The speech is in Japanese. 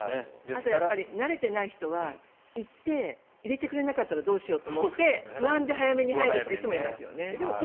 慣れてない人は行って、入れてくれなかったらどうしようって思って不安で早めに入る人もいますよね。